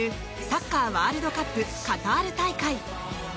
サッカーワールドカップカタール大会。